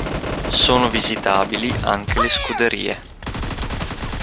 Sono visitabili anche le scuderie.